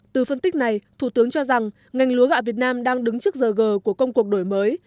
từ phân tích này thủ tướng cho rằng ngành lúa gạo việt nam đang đứng trước giờ gờ của công cuộc đổi mới